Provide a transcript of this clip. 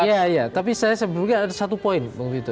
iya tapi saya berpikir ada satu poin